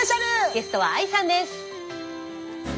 ゲストはＡＩさんです。